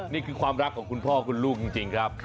นี่คือความรักของคุณพ่อคุณลูกจริงครับ